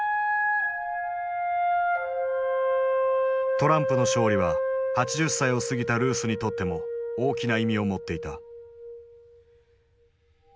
トランプの勝利は８０歳を過ぎたルースにとっても大きな意味を持っていた。